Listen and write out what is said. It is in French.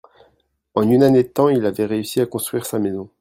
En une année de temps il avait réussi à construire sa maison.